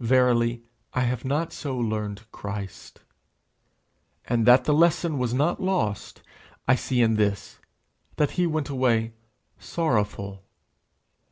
Verily, I have not so learned Christ. And that the lesson was not lost, I see in this, that he went away sorrowful.